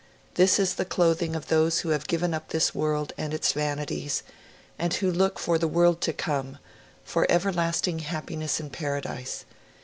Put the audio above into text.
This is the clothing of those who have given up this world and its vanities, and who look for the world to come, for everlasting happiness in Paradise.